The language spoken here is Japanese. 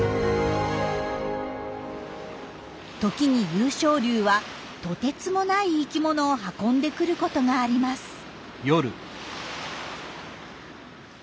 時に湧昇流はとてつもない生きものを運んでくることがあります。